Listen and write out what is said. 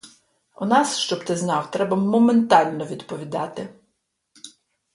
У нас, щоб ти знав, треба моментально відповідати!